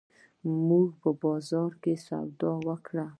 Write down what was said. مونږه په بازار کښې سودا وکړه